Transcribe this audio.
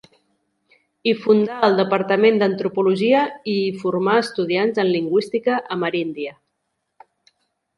Hi fundà el departament d'antropologia i hi formà estudiants en lingüística ameríndia.